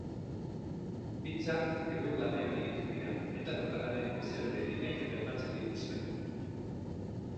Pizzak egur-labean egiten dira, eta lokalaren bezero gehienek bermatzen dituzte.